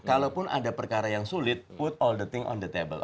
kalaupun ada perkara yang sulit wood all the thing on the table